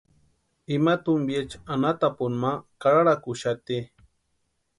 Ima tumpiecha anhatapuni ma karharakuxati.